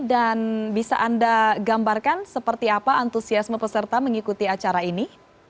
dan bisa anda gambarkan seperti apa antusiasme peserta mengikuti acara ini